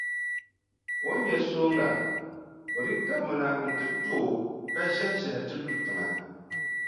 O ni nya sooŋa, o dii kabimi na nti to o ka ʒɛhiʒɛhi nti lu tiŋa.